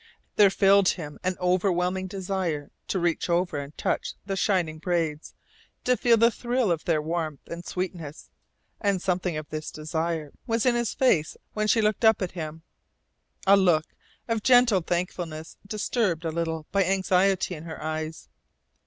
There filled him an overwhelming desire to reach over and touch the shining braids, to feel the thrill of their warmth and sweetness, and something of this desire was in his face when she looked up at him, a look of gentle thankfulness disturbed a little by anxiety in her eyes.